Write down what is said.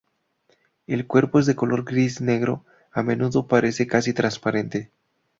El cuerpo es de color gris-negro, a menudo parece casi transparente.